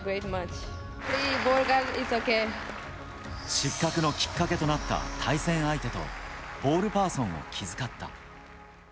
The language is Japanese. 失格のきっかけとなった対戦相手と、ボールパーソンを気遣った。